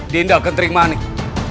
dinda akan terima nih